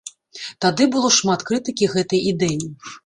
Тады было шмат крытыкі гэтай ідэі.